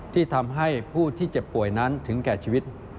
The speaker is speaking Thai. ที่ทำให้ผู้ที่เจ็บป่วยนั้นถึงแก่ชีวิต